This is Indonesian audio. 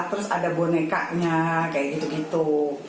terus ada bonekanya kayak gitu gitu